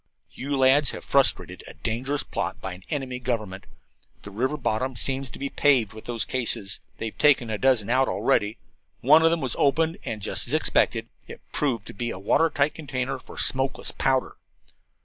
"You lads have frustrated a dangerous plot by an enemy government. The river bottom seems to be paved with those cases. They've taken out a dozen already. One of them was opened, and, just as expected, it proved to be a water tight container for smokeless powder!